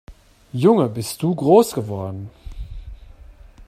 Junge, bist du groß geworden!